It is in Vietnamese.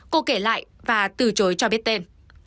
cô kể lại và từ chối cho biết tên